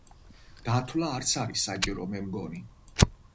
დათვლა არც არის საჭირო, მე მგონი.